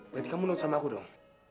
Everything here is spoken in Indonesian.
berarti kamu menurut sama aku dong